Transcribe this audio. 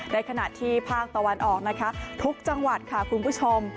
ในขณะที่ภาคตะวันออกนะคะทุกจังหวัดค่ะคุณผู้ชม